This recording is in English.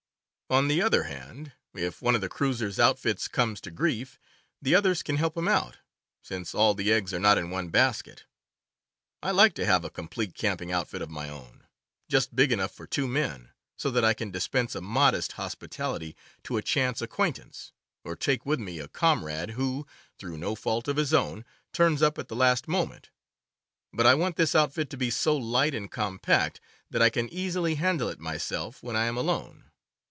On the other hand, if one of the cruisers' outfits comes to grief, the others can help him out, since all the eggs are not in one basket. I like to have a com plete camping outfit of my own, just big enough for two men, so that I can dispense a modest hospitality to a chance acquaintance, or take with me a comrade who, through no fault of his own, turns up at the last moment; but I want this outfit to be so light and com pact that I can easily handle it myself when I am alone.